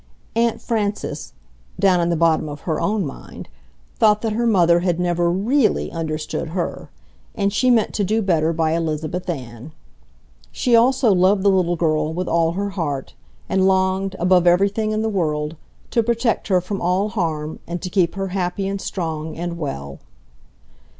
Aunt Frances (down in the bottom of her own mind) thought that her mother had never REALLY understood her, and she meant to do better by Elizabeth Ann. She also loved the little girl with all her heart, and longed, above everything in the world, to protect her from all harm and to keep her happy and strong and well.